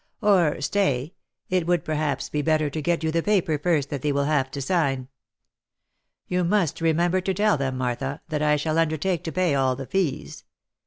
Or stay — it would perhaps be better to get you the paper first that they will have to sign, ^ou must remember to tell them, Martha, that I shall undertake to pay all the fees.